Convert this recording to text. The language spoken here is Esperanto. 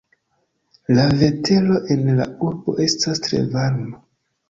La vetero en la urbo estas tre varma.